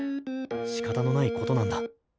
しかたのないことなんだ。